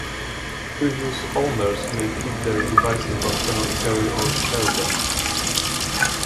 Previous owners may keep their devices, but cannot carry or sell them.